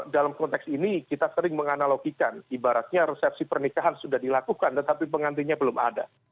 dalam konteks ini kita sering menganalogikan ibaratnya resepsi pernikahan sudah dilakukan tetapi pengantinnya belum ada